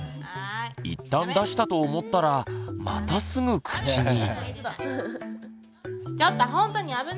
いったん出したと思ったらまたすぐ口に。